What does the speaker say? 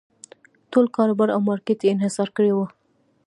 ټول کاروبار او مارکېټ یې انحصار کړی و.